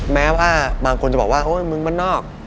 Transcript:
แม้ว่าบางคนจะบอกว่ามึงมณออก